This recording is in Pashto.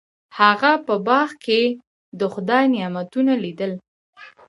هغه په باغ کې د خدای نعمتونه لیدل.